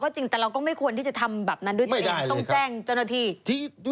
ก็จริงแต่เราก็ไม่ควรที่จะทำแบบนั้นด้วยเองต้องแจ้งจนโดยที่ไม่ได้เลยครับ